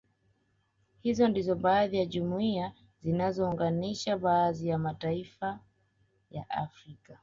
Hizo ndizo baadhi ya jumuiya zinazounganisha baadhi ya mataifa ya Afrika